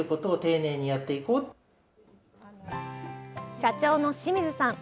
社長の清水さん。